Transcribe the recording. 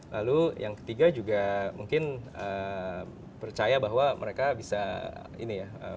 lalu yang ketiga juga mungkin percaya bahwa mereka bisa ini ya